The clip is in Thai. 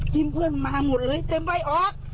กิมเพื่อนมันมาหมดเลยเต็มไว้ออก